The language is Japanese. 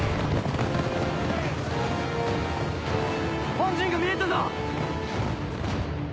本陣が見えたぞ！